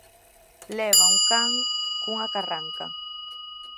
Levaba un can cunha carranca.